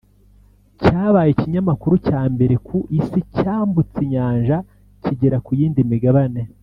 cyabaye ikinyamakuru cya mbere ku isi cyambutse inyanja kigera ku yindi migabane